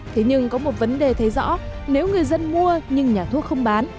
thế nhưng có một vấn đề thấy rõ nếu người dân mua nhưng nhà thuốc không bán